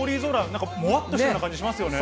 なんかもわっとした感じしますよね。